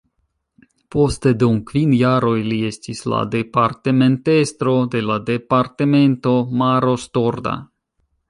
Poste dum kvin jaroj li estis la departementestro de la departemento Maros-Torda.